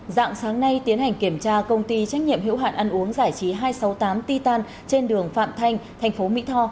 dạng sáng nay tiến hành kiểm tra công ty trách nhiệm hiệu hạn ăn uống giải trí hai trăm sáu mươi tám titan trên đường phạm thanh thành phố mỹ tho